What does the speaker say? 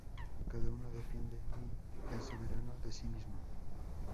Cada uno, defiende Mill, es soberano de sí mismo.